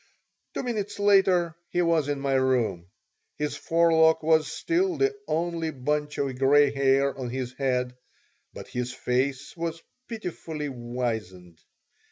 Two minutes later he was in my room. His forelock was still the only bunch of gray hair on his head, but his face was pitifully wizened.